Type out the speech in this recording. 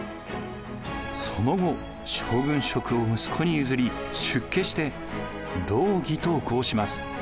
その後将軍職を息子に譲り出家して道義と号します。